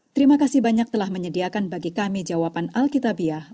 terima kasih banyak telah menyediakan bagi kami jawaban alkitabiah